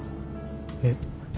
えっ？